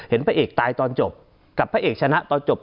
พระเอกตายตอนจบกับพระเอกชนะตอนจบ